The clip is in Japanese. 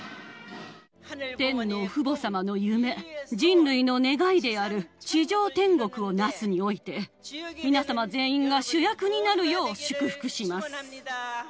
天の父母様の夢、人類の願いである地上天国を成すにおいて、皆様全員が主役になるよう祝福します。